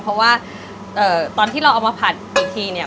เพราะว่าตอนที่เราเอามาผัดอีกทีเนี่ย